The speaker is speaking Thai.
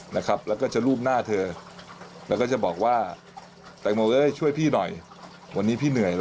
อาหารด้วยด้านด้านออกเรื่องจริงเชิลสรุปนักลองทำงาน